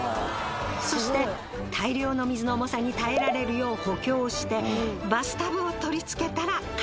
そして大量の水の重さに耐えられるよう補強してバスタブを取り付けたら完成。